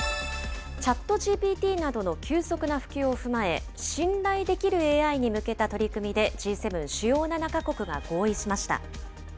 ＣｈａｔＧＰＴなどの急速な普及を踏まえ、信頼できるＡＩに向けた取り組みで、Ｇ７・首脳７か国が合意しました。